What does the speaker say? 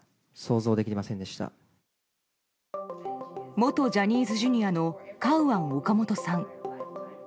元ジャニーズＪｒ．のカウアン・オカモトさん。